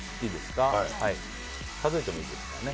数えてもいいですからね。